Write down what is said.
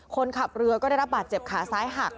คนขับเรือก็ได้รับบาดเจ็บขาซ้ายหัก